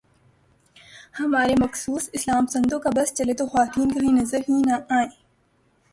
ہمارے مخصوص اسلام پسندوں کا بس چلے تو خواتین کہیں نظر ہی نہ آئیں۔